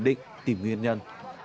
định tìm nguyên nhân